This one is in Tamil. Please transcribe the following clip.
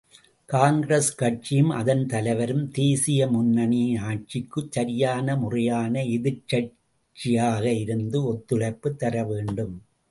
காங்கிரஸ் கட்சியும், அதன் தலைவரும் தேதிய முன்னணியின் ஆட்சிக்குச் சரியான முறையான எதிர்க்கட்சியாக இருந்து ஒத்துழைப்புத் தரவேண்டும்.